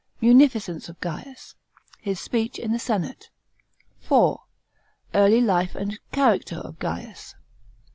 Munificence of Gaius. His speech in the senate. § 4. Early life and character of Gaius.